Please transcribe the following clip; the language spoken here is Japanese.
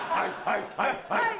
はいはいはい！